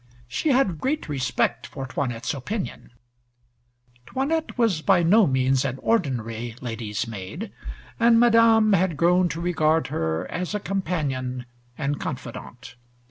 She had great respect for 'Toinette's opinion. 'Toinette was by no means an ordinary ladies' maid, and Madame had grown to regard her as a companion and confidant.